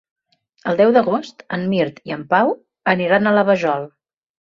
El deu d'agost en Mirt i en Pau iran a la Vajol.